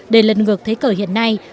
để lần ngược thế cờ hiện nay